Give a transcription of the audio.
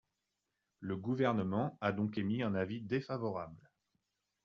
Le Gouvernement a donc émis un avis défavorable.